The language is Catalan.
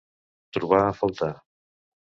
Trobar a faltar.